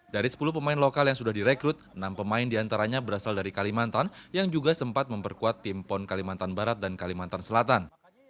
dari sepuluh pemain lokal yang sudah direkrut enam pemain diantaranya berasal dari kalimantan yang juga sempat memperkuat tim pon kalimantan barat dan kalimantan selatan